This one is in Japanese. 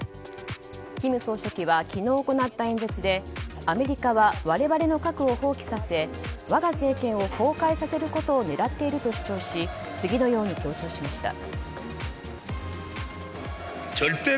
金総書記は昨日行った演説でアメリカは我々の核を放棄させ我が政権を崩壊させることを狙っていると主張し次のように強調しました。